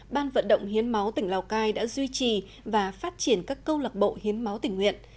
ban vận động hiến máu tỉnh lào cai đã duy trì và phát triển các câu lạc bộ hiến máu tỉnh nguyện